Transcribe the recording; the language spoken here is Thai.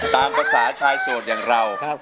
ตามภาษาชายโสดอย่างเรา